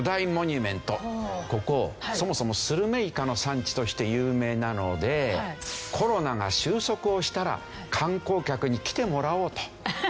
ここそもそもスルメイカの産地として有名なのでコロナが収束をしたら観光客に来てもらおうと。